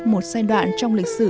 một giai đoạn trong lịch sử